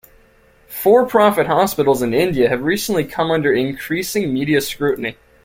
For-profit hospitals in India have recently come under increasing media scrutiny.